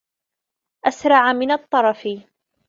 أسرع من الطرف